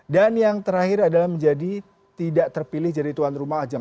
dan yang terakhir adalah menjadi tidak terpilih jadi tuan rumah ajang olahraga